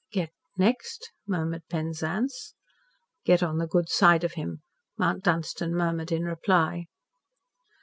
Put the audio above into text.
"Get next," murmured Penzance. "Get on the good side of him," Mount Dunstan murmured in reply.